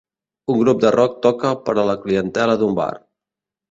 Un grup de rock toca per a la clientela d'un bar